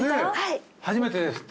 初めてですって。